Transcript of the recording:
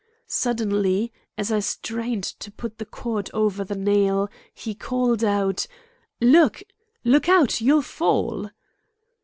Suddenly, as I strained to put the cord over the nail he called out: "Look out! you'll fall."